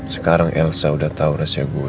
sekarang elsa udah tau rahasia gue